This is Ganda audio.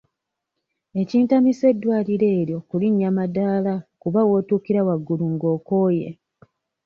Ekintamisa eddwaliro eryo kulinnya madaala kuba w'otuukira waggulu ng'okooye.